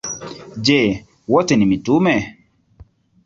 Je, wote ni mitume?